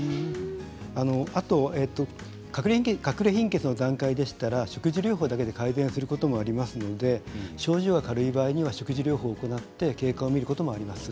あと、かくれ貧血の段階でしたら食事療法だけで改善することもありますので症状が軽い場合には食事療法を行って結果を見ることもあります。